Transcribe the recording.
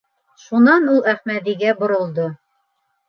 Шунан ул Әхмәҙигә боролдо: